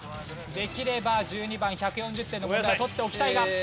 できれば１２番１４０点の問題取っておきたいが。